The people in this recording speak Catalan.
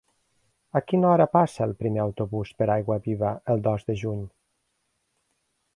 A quina hora passa el primer autobús per Aiguaviva el dos de juny?